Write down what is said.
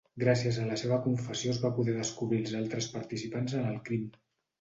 Gràcies a la seva confessió es van poder descobrir els altres participants en el crim.